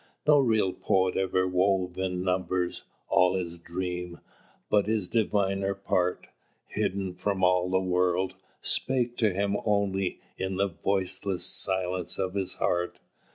"No real Poet ever wove in numbers All his dream, but the diviner part, Hidden from all the world, spake to him only In the voiceless silence of his heart.